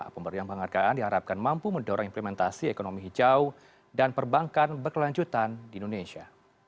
pemberian penghargaan diharapkan mampu mendorong implementasi ekonomi hijau dan perbankan berkelanjutan di indonesia